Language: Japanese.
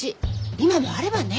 今もあればね！